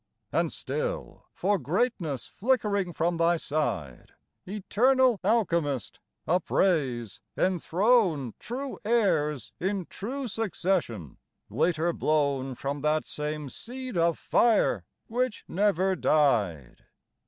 And still, for greatness flickering from thy side, Eternal alchemist, upraise, enthrone True heirs in true succession, later blown From that same seed of fire which never died.